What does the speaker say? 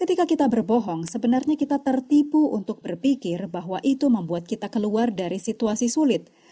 ketika kita berbohong sebenarnya kita tertipu untuk berpikir bahwa itu membuat kita keluar dari situasi sulit